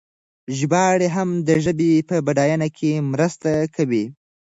ژباړې هم د ژبې په بډاینه کې مرسته کوي.